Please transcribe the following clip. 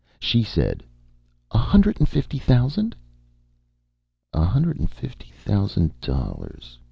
She said: "A hundred and fifty thousand?" A hundred and fifty thousand dollars.